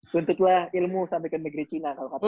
tuntutlah ilmu sampe ke negeri cina kalo kata lo